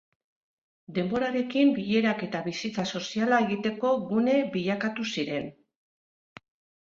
Denborarekin bilerak eta bizitza soziala egiteko gune bilakatu ziren.